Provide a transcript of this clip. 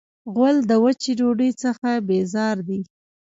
غول د وچې ډوډۍ څخه بیزار دی.